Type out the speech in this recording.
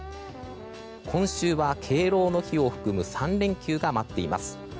今週は敬老の日を含む３連休が待っています。